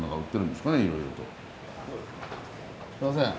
すいません